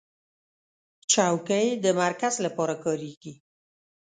چوکۍ د مرکو لپاره کارېږي.